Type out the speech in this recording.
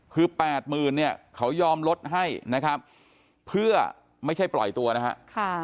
คือ๘๐๐๐๐เขายอมลดให้นะครับเพื่อไม่ใช่ปล่อยตัวนะฮะ